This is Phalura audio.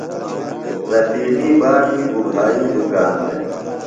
رفیقی بابی گُبھائی دُکان دےۡ؟